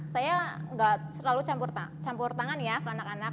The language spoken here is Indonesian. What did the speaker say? saya tidak selalu campur tangan ke anak anak